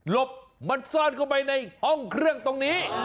บมันซ่อนเข้าไปในห้องเครื่องตรงนี้